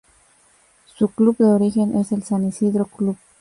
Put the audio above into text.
Su club de origen es el San Isidro Club.